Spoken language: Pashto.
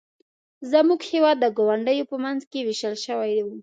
زموږ هېواد د ګاونډیو په منځ کې ویشل شوی و.